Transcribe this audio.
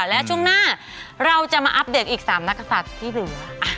และช่วงหน้าเราจะมาอัปเดตอีก๓นักศัตริย์ที่เหลือ